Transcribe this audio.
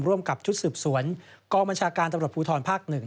ร่วมกับชุดสืบสวนกองบัญชาการตำรวจภูทรภาค๑